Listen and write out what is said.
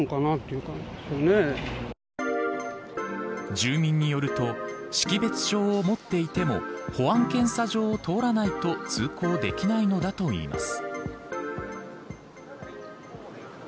住民によると識別証を持っていても保安検査場を通らないと通行できないのだと言います。